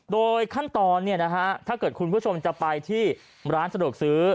โดยขั้นตอนถ้าเกิดคุณผู้ชมจะไปที่ร้านสะดวกซื้อ